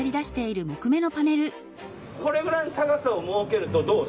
これぐらいの高さを設けるとどう？